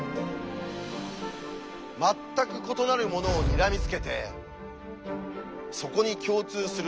全く異なるものをにらみつけてそこに共通する